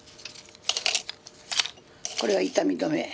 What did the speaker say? これは痛み止め。